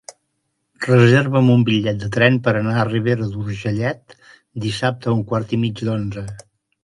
Reserva'm un bitllet de tren per anar a Ribera d'Urgellet dissabte a un quart i mig d'onze.